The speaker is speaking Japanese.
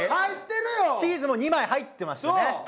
チーズも２枚入ってましたね。